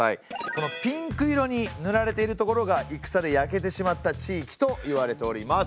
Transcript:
このピンク色にぬられている所が戦で焼けてしまった地域といわれております。